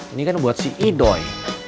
ini kan buat si idoy